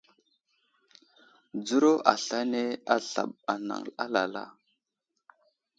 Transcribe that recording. Dzəro aslane azlaɓ anaŋ alala.